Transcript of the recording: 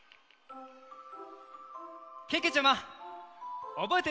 けけちゃまおぼえてる？